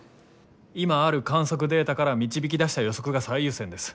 今ある観測データから導き出した予測が最優先です。